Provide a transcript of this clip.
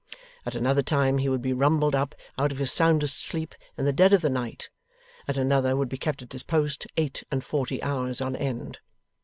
At another time, he would be rumbled up out of his soundest sleep, in the dead of the night; at another, would be kept at his post eight and forty hours on end.